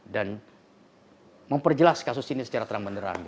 dan memperjelas kasus ini secara terang beneran